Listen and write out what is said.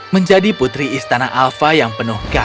menjadi putri istana alfa yang penuh kasih